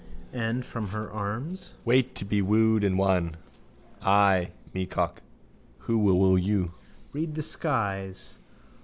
And from her arms. Wait to be wooed and won. Ay, meacock. Who will woo you? Read the skies.